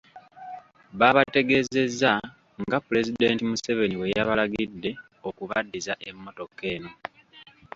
Baabategeezezza nga Pulezidenti Museveni bwe yabalagidde okubaddiza emmotoka eno.